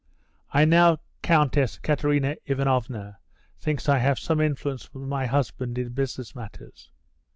"I know Countess Katerina Ivanovna thinks I have some influence with my husband in business matters.